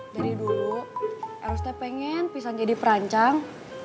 dari dulu erosnya pengen bisa jadi perancang